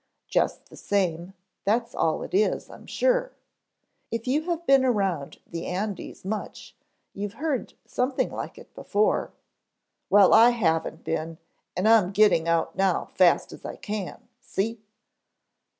"Just the same, that's all it is, I'm sure. If you have been around the Andes much, you've heard something like it before " "Well, I haven't been, and I'm getting out now fast as I can, see?"